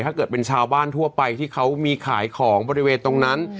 ถ้าเกิดเป็นชาวบ้านทั่วไปที่เขามีขายของบริเวณตรงนั้น